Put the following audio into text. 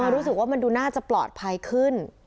รู้สึกว่ามันดูน่าจะปลอดภัยขึ้น